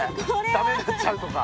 駄目になっちゃうとか。